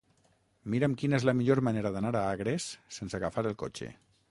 Mira'm quina és la millor manera d'anar a Agres sense agafar el cotxe.